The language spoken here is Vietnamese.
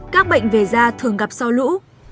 các bệnh về da thường gặp sau lũ